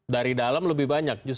dari dalam lebih banyak